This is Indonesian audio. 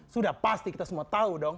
sudah pasti kita semua tahu dong